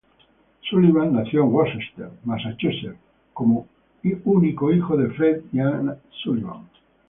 Sullivan nació en Worcester, Massachusetts, como único hijo de Fred y Ann Sullivan.